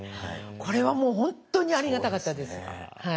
これはもう本当にありがたかったです。